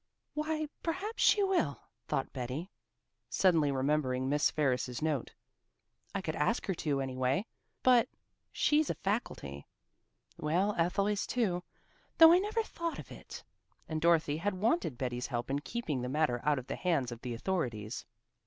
"Why, perhaps she will," thought Betty, suddenly remembering Miss Ferris's note. "I could ask her to, anyway. But she's a faculty. Well, Ethel is too, though I never thought of it." And Dorothy had wanted Betty's help in keeping the matter out of the hands of the authorities.